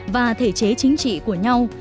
và thể chế chính trị của nhau